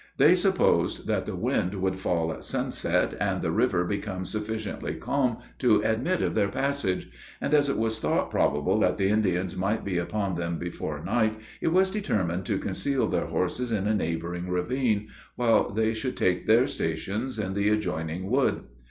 They supposed that the wind would fall at sunset, and the river become sufficiently calm to admit of their passage; and, as it was thought probable that the Indians might be upon them before night, it was determined to conceal their horses in a neighboring ravine, while they should take their stations in the adjoining wood.